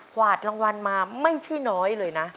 วาดรางวัลมาไม่ใช่น้อยเลยนะ